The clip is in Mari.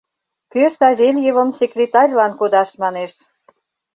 Кӧ Савельевым секретарьлан кодаш манеш?